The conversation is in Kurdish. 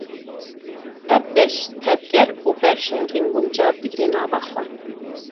Ev beş, tevger û berjengên guncav digire nava xwe.